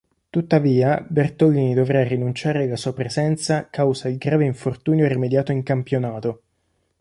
Tuttavia Bertolini dovrà rinunciare alla sua presenza causa il grave infortunio rimediato in campionato.